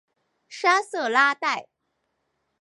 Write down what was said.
沙瑟拉代。